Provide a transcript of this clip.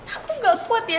aku gak kuat ya